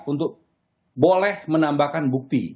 untuk boleh menambahkan bukti